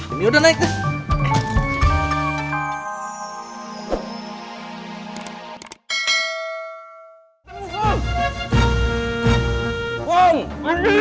ini udah naik deh